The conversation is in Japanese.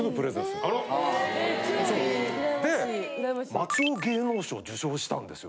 松尾芸能賞受賞したんですよ。